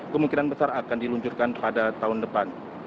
kemungkinan besar akan diluncurkan pada tahun depan